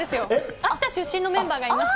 秋田出身のメンバーがいました。